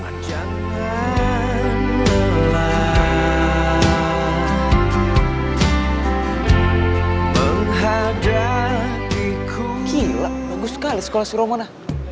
ya serius lah masa bercanda